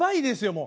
もう。